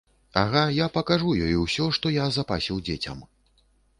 Ага, я пакажу ёй усё, што я запасіў дзецям.